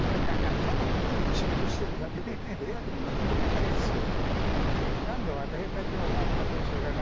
ただテレビで仕事してるだけで偉くも何でもないですよ。